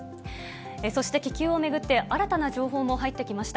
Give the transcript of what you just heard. そして気球を巡って、新たな情報も入ってきました。